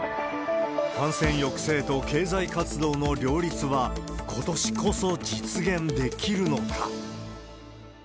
感染抑制と経済活動の両立はことしこそ実現できるのか。